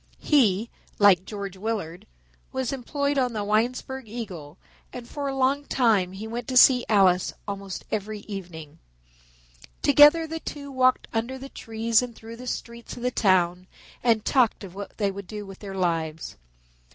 He, like George Willard, was employed on the Winesburg Eagle and for a long time he went to see Alice almost every evening. Together the two walked under the trees through the streets of the town and talked of what they would do with their lives.